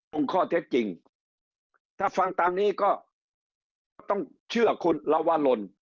ข้อเท็จจริงถ้าฟังตามนี้ก็ต้องเชื่อคุณลวาลน